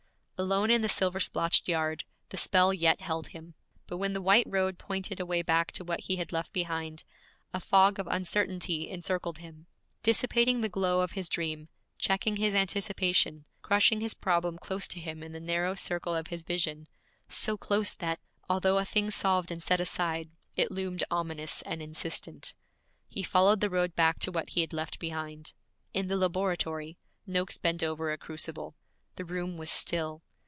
Alone in the silver splotched yard, the spell yet held him; but when the white road pointed a way back to what he had left behind, a fog of uncertainty encircled him, dissipating the glow of his dream, checking his anticipation, crushing his problem close to him in the narrow circle of his vision, so close that, although a thing solved and set aside, it loomed ominous and insistent. He followed the road back to what he had left behind. In the laboratory Noakes bent over a crucible. The room was still.